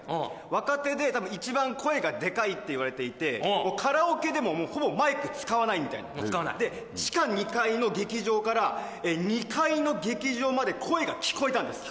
若手でたぶん一番声がでかいって言われていてカラオケでもほぼマイク使わないみたいな地下２階の劇場から２階の劇場まで声が聞こえたんです